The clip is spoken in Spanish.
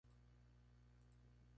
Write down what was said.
Sólo son removidos por juicio político.